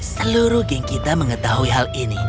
seluruh geng kita mengetahui hal ini